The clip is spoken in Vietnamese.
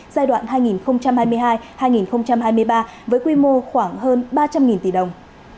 giai đoạn hai nghìn hai mươi hai hai nghìn hai mươi ba với quy mô khoảng hơn ba trăm linh tỷ đồng